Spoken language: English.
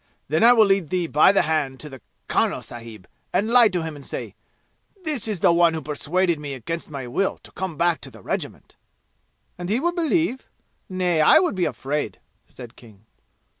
Then will I lead thee by the hand to the karnal sahib and lie to him and say, 'This is the one who persuaded me against my will to come back to the regiment!"' "And he will believe? Nay, I would be afraid!" said King.